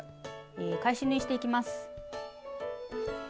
え返し縫いしていきます。